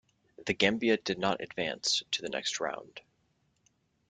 The Gambia did not advance to the next round.